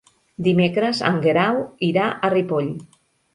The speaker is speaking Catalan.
Dimecres en Guerau irà a Ripoll.